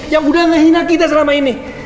yang udah ngehina kita selama ini